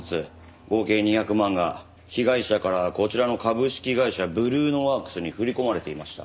合計２００万が被害者からこちらの株式会社ブルーノワークスに振り込まれていました。